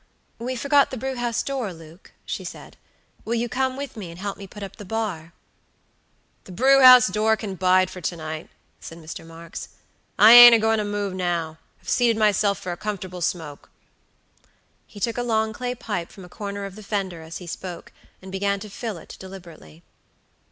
"We forgot the brew house door, Luke," she said. "Will you come with me and help me put up the bar?" "The brew house door can bide for to night," said Mr. Marks; "I ain't agoin' to move now. I've seated myself for a comfortable smoke." He took a long clay pipe from a corner of the fender as he spoke, and began to fill it deliberately.